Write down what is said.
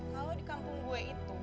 kalau di kampung gua itu